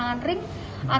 juga dikenal sebagai